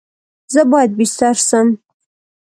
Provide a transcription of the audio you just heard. زه باید بیستر سم؟